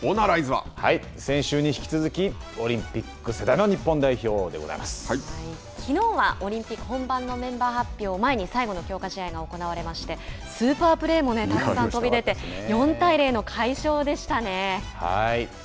先週に引き続きオリンピックきのうはオリンピック本番のメンバー発表を前に最後の強化試合が行われましてスーパープレーもたくさん飛び出てはい。